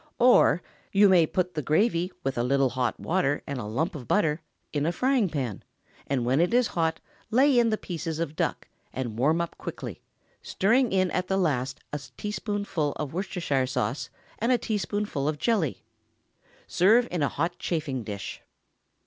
Or, You may put the gravy, with a little hot water and a lump of butter, in a frying pan, and when it is hot lay in the pieces of duck, and warm up quickly, stirring in at the last a teaspoonful of Worcestershire sauce and a tablespoonful of jelly. Serve in a hot chafing dish.